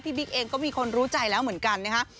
บิ๊กเองก็มีคนรู้ใจแล้วเหมือนกันนะฮะ